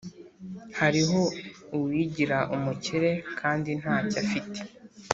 hariho uwigira umukire kandi nta cyo afite